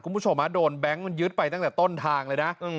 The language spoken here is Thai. คุณผู้ชมโดนแบงค์มันยึดไปตั้งแต่ต้นทางเลยนะ